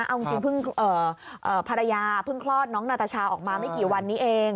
เอาจริงเพิ่งภรรยาเพิ่งคลอดน้องนาตาชาออกมาไม่กี่วันนี้เอง